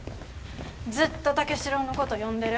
ずっと武四郎のこと呼んでる。